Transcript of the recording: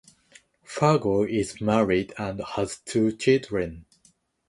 Fargo is married and has two children.